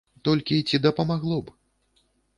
Толькі ці дапамагло б?